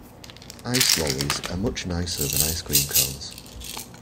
Ice lollies are much nicer than ice cream cones